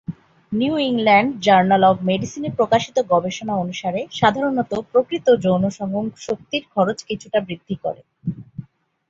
New England journal of মেডিসিনে প্রকাশিত গবেষণা অনুসারে সাধারণত প্রকৃত যৌন সঙ্গম শক্তির খরচ কিছুটা বৃদ্ধি করে।